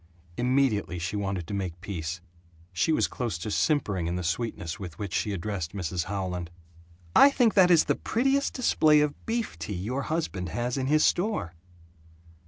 Immediately she wanted to make peace. She was close to simpering in the sweetness with which she addressed Mrs Howland: "I think that is the prettiest display of beef tea your husband has in his store."